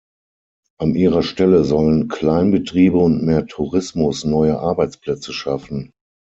An ihrer Stelle sollen Kleinbetriebe und mehr Tourismus neue Arbeitsplätze schaffen.